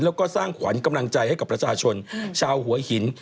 แล้วก็สร้างขวัญกำลังใจให้กับประชาชนชาวหัวหิน